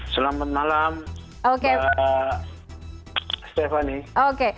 selamat malam pak stephanie